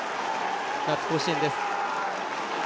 夏、甲子園です。